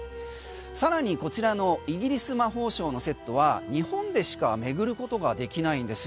さらにこちらのイギリス魔法省のセットは日本でしか巡ることができないんです。